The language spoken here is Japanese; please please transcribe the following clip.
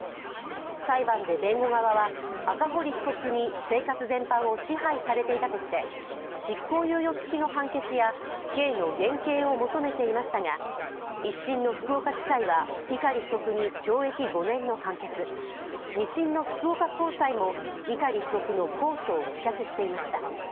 裁判で弁護側は赤堀被告に生活全般を支配されていたとして執行猶予つきの判決や刑の減軽を求めていましたが一審の福岡地裁は碇被告に懲役５年の判決、２審の福岡高裁も碇被告の控訴を棄却していました。